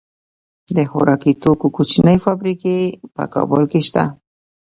د خوراکي توکو کوچنۍ فابریکې په کابل کې شته.